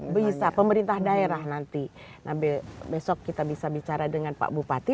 bisa pemerintah daerah nanti besok kita bisa bicara dengan pak bupati